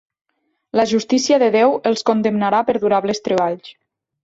La justícia de Déu els condemnarà a perdurables treballs.